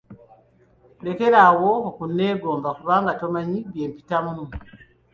Lekera awo okunneegomba kubanga tomanyi bye mpitamu.